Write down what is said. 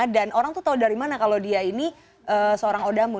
dan orang tuh tahu dari mana kalau dia ini seorang odama